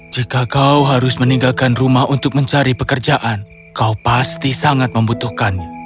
jika kau harus meninggalkan rumah untuk mencari pekerjaan kau pasti sangat membutuhkannya